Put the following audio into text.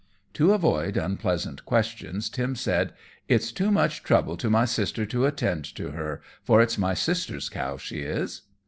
To avoid unpleasant questions, Tim said, "It's too much trouble to my sister to attend to her, for it's my sister's cow she is."